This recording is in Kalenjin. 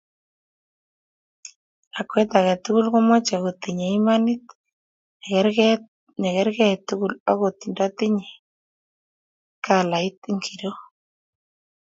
Lakwet age tugul komochei kotinyei imanit ne kerkei tugul agot ndatinye kalait ingiro